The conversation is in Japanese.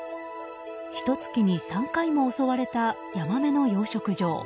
ひと月に３回も襲われたヤマメの養殖場。